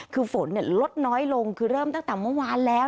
คือฝนลดน้อยลงคือเริ่มตั้งแต่เมื่อวานแล้ว